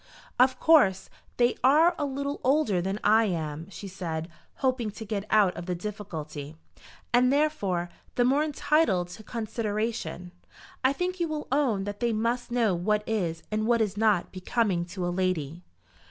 "Of course, they are a little older than I am," she said, hoping to get out of the difficulty. "And therefore, the more entitled to consideration. I think you will own that they must know what is, and what is not, becoming to a lady."